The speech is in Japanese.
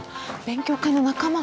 勉強会の仲間。